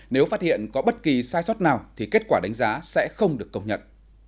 nếu phát hiện có bất kỳ sai sót nào thì kết quả đánh giá sẽ không được công nhận